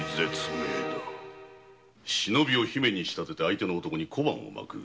忍びを姫に仕立てて相手の男に小判を撒く。